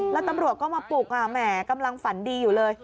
แล้วตำรวจก็มาปลุกแหมกำลังฝันดีอยู่เลย